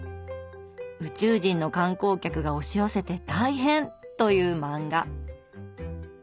宇宙人の観光客が押し寄せて大変！という漫画。